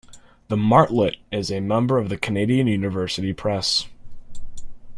The Martlet is a member of the Canadian University Press.